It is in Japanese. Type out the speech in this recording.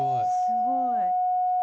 すごい。